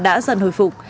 đã dần hồi phục